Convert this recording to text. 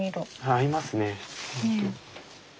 合いますね。